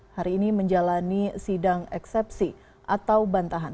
hari ini menjalani sidang eksepsi atau bantahan